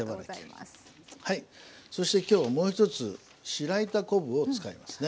そして今日もう一つ白板昆布を使いますね。